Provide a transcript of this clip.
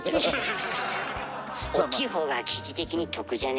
大きいほうが生地的に得じゃね？